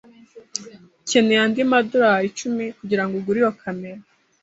Ukeneye andi madorari icumi kugirango ugure iyo kamera.